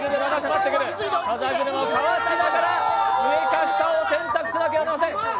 風車をかわしながら上か下かを選択しなければいけません。